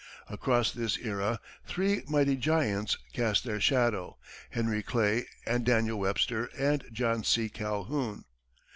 Across this era, three mighty giants cast their shadows Henry Clay and Daniel Webster and John C. Calhoun.